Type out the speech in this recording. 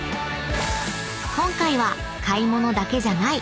［今回は買い物だけじゃない！